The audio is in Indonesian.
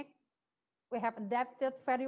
kita telah beradaptasi dengan baik